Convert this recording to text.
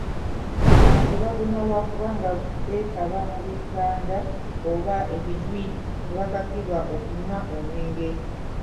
Omwenge bagunywa lwa kubanga beetaba mu bibanda oba ebinywi ne bakakibwa okunywa omwenge.